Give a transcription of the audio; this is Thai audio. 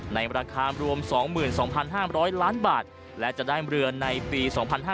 ในราคารวม๒๒๕๐๐ล้านบาทและจะได้เรือในปี๒๕๕๙